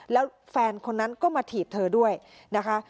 แล้วแฟนคนนั้นก็มาถีบเธอด้วยนะคะ